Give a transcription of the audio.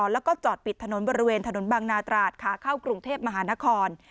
แล้วก็จอดปิดถนนบริเวณถนนบางนาตราดขาเข้ากรุงเทพมหานคร